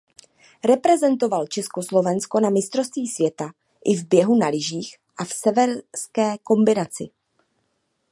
Reprezentoval Československo na mistrovství světa i v běhu na lyžích a v severské kombinaci.